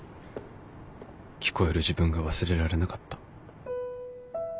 聞こえる自分が忘れられなかった